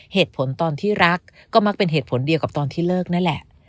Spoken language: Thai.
เหตุผลตอนที่รักก็มักเป็นเหตุผลเดียวกับตอนที่เลิกนั่นแหละ